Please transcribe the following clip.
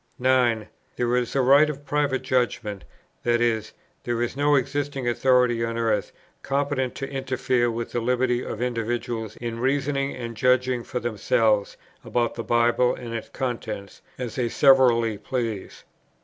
9. There is a right of Private Judgment: that is, there is no existing authority on earth competent to interfere with the liberty of individuals in reasoning and judging for themselves about the Bible and its contents, as they severally please.